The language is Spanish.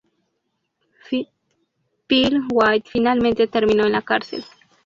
Phil White finalmente terminó en la cárcel.